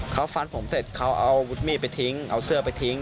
เขาฟันผมเสร็จเขาเอาอาวุธมีดไปทิ้งเอาเสื้อไปทิ้ง